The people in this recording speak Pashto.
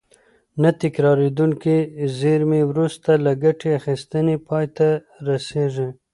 نه تکرارېدونکې زېرمې وروسته له ګټې اخیستنې پای ته رسیږي.